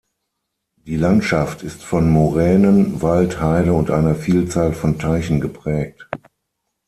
Die Landschaft ist von Moränen, Wald, Heide und einer Vielzahl von Teichen geprägt.